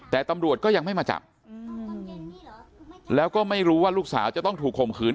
แต่ตำรวจก็ยังไม่มาจับแล้วก็ไม่รู้ว่าลูกสาวจะต้องถูกข่มขืน